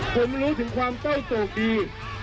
ผมรู้ถึงความเต้นสูงดี